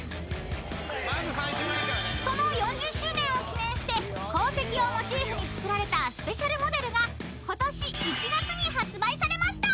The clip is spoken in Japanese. ［その４０周年を記念して鉱石をモチーフに作られたスペシャルモデルが今年１月に発売されました］